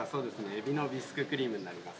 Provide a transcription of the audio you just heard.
海老のビスククリームになりますね。